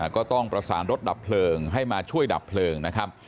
ก็ต้องประสานรถดับเพลิงให้มาช่วยดับเพลิงนะครับ